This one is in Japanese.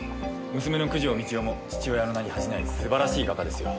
娘の九条美千代も父親の名に恥じない素晴らしい画家ですよ。